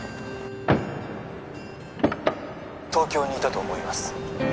☎東京にいたと思います